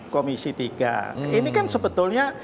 komisi tiga ini kan sebetulnya